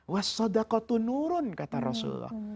wasodakotunurun kata rasulullah